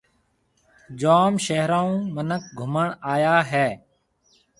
جوم شهرون هون مِنک گُهمڻ آيا هيَ۔